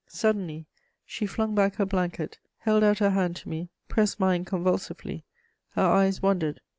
Suddenly she flung back her blanket, held out her hand to me, pressed mine convulsively; her eyes wandered.